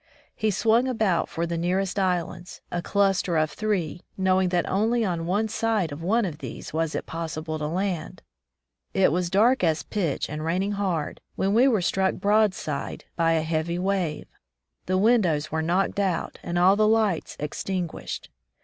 He swung about for the nearest islands, a cluster of three, knowing that only on one side of one of these was it possible to land. It was dark as pitch and raining hard when we were struck broad side on by a heavy wave ; the windows were knocked out and all the lights extinguished.